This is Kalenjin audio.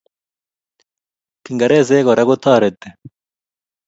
Kingerezek Kora kotareti